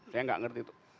saya enggak ngerti tuh